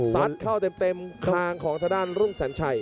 สัดเข้าเต็มคางของทดารรุ่งแสนชัย